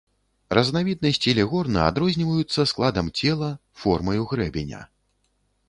Разнавіднасці легорна адрозніваюцца складам цела, формаю грэбеня.